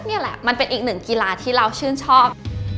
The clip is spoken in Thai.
นี่แหละมันเป็นอีกหนึ่งกีฬาที่เราชื่นชอบ